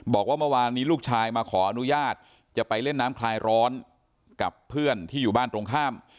บอกว่าเมื่อวานนี้ลูกชายมาขออนุญาตจะไปเล่นน้ำคลายร้อนกับเพื่อนที่อยู่บ้านตรงข้าม